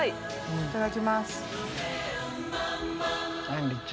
いただきます。